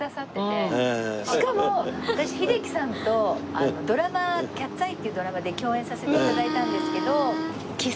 しかも私秀樹さんとドラマ『キャッツ・アイ』っていうドラマで共演させて頂いたんですけど。